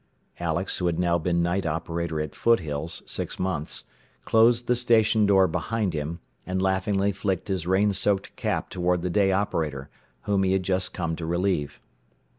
Alex, who had now been night operator at Foothills six months, closed the station door behind him, and laughingly flicked his rain soaked cap toward the day operator, whom he had just come to relieve.